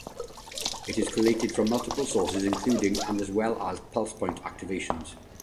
It is collated from multiple sources including and as well as PulsePoint activations.